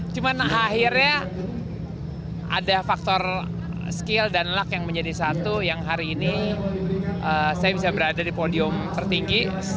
cuman akhirnya ada faktor skill dan luck yang menjadi satu yang hari ini saya bisa berada di podium tertinggi